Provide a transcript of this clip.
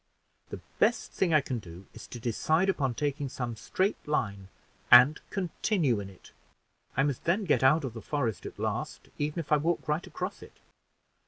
The best thing that I can do, is to decide upon taking some straight line, and continue in it: I must then get out the forest at last, even if I walk right across it.